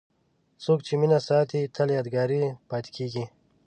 څوک چې مینه ساتي، تل یادګاري پاتې کېږي.